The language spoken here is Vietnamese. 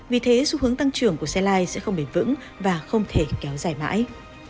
vì thế xu hướng tăng trưởng của xe lai sẽ không bền vững và không thể kéo dài mãi